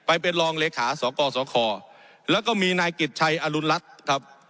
ไปเป็นรองเลขาสกสคแล้วก็มีนายกิจชัยอรุณรัฐครับ